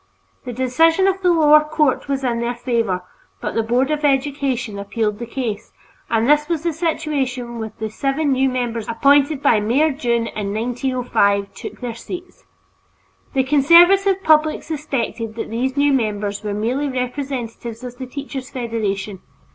The decision of the lower court was in their favor, but the Board of Education appealed the case, and this was the situation when the seven new members appointed by Mayor Dunne in 1905 took their seats. The conservative public suspected that these new members were merely representatives of the Teachers' Federation.